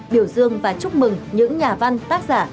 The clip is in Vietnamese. biểu dương và chúc mừng những nhà văn tác giả